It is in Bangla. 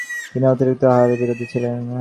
তিনি অতিরিক্ত আহারের বিরোধী ছিলেন।